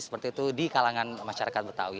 seperti itu di kalangan masyarakat betawi